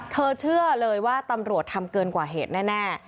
เชื่อเลยว่าตำรวจทำเกินกว่าเหตุแน่